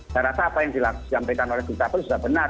saya rasa apa yang di sampaikan oleh bukta perus sudah benar